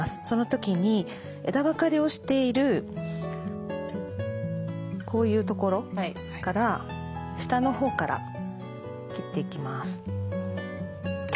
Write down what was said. その時に枝分かれをしているこういうところから下のほうから切っていきます。